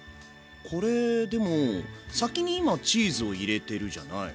これでも先に今チーズを入れてるじゃない。